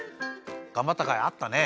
がんばったかいあったね。